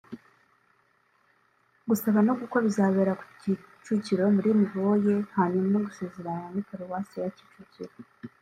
Gusaba no gukwa bizabera ku Kicukiro muri Niboye hanyuma gusezerana ni kuri Paruwasi ya Kicukiro